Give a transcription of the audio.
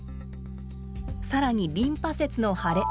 更にリンパ節の腫れ。